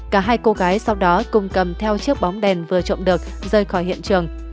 cả hai cô gái sau đó cùng cầm theo chiếc bóng đèn vừa trộm được rời khỏi hiện trường